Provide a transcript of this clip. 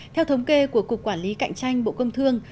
theo thống kê của cục quản lý cạnh tranh bộ công thương